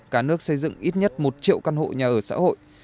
cả nước xây dựng ít nhất một triệu căn hộ nhà ở xã hội